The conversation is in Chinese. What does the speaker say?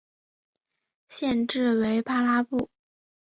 县治为巴拉布。